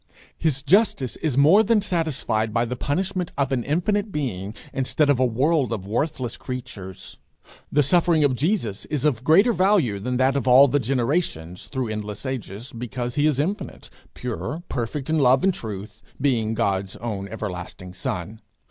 His justice is more than satisfied by the punishment of an infinite being instead of a world of worthless creatures. The suffering of Jesus is of greater value than that of all the generations, through endless ages, because he is infinite, pure, perfect in love and truth, being God's own everlasting son.